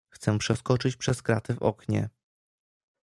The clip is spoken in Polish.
"Chcę przeskoczyć przez kraty w oknie."